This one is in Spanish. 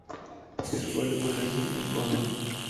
Dejó el colegio muy joven.